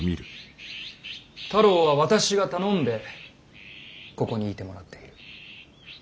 太郎は私が頼んでここにいてもらっている。